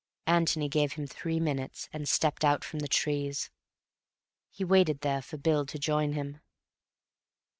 Antony gave him three minutes, and stepped out from the trees. He waited there for Bill to join him.